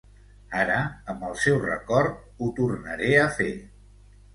Ara, amb el seu record, ho tornaré a fer.